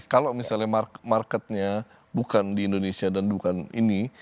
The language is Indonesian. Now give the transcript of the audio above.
kalau misalnya marketnya bukan di indonesia dan bukan ini